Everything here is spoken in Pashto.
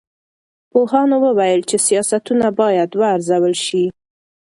پوهانو وویل چې سیاستونه باید وارزول سي.